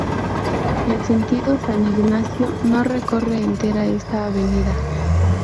En sentido San Ignacio no recorre entera esta avenida.